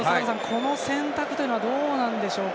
この選択というのはどうなんでしょうか